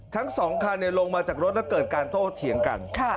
ทั้งสองคันเนี่ยลงมาจากรถแล้วเกิดการโทษเถียงกันค่ะ